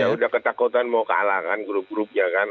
ya udah ketakutan mau kalah kan grup grupnya kan